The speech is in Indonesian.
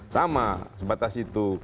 sama sebatas itu